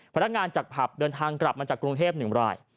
พนักงานจากผับเดินทางกลับมาจากกรุงเทพ๑ราย